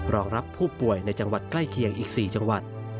รองรับผู้ป่วยในจังหวัดใกล้เคียงอีก๔จังหวัด